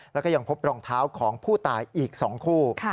แล้วก็ยังพบรองเท้าของผู้ตายอีก๒คู่